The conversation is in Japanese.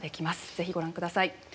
是非ご覧ください。